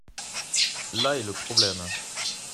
Là est le problème.